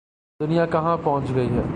دنیا کہاں پہنچ گئی ہے۔